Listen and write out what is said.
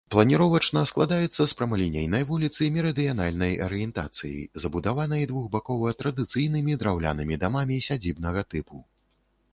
Планіровачна складаецца з прамалінейнай вуліцы мерыдыянальнай арыентацыі, забудаванай двухбакова традыцыйнымі драўлянымі дамамі сядзібнага тыпу.